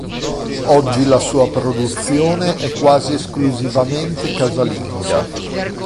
Oggi la sua produzione è quasi esclusivamente casalinga.